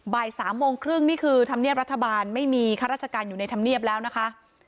บ่าย๓โมงครึ่งนี่คือธรรมเนียบรัฐบาลไม่มีข้าราชการอยู่ในธรรมเนียบแล้วนะคะ